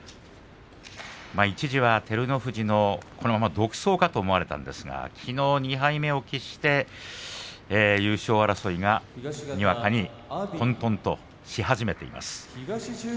一時は照ノ富士のこのまま独走かと思われたんですがきのう２敗目を喫して優勝争いがにわかに混とんとし始めています。